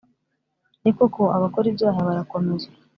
ni koko abakora ibyaha barakomezwa